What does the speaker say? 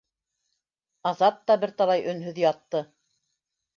Азат та бер талай өнһөҙ ятты.